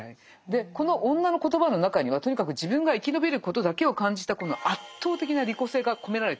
でこの女の言葉の中にはとにかく自分が生き延びることだけを感じたこの圧倒的な利己性が込められてるわけですよね。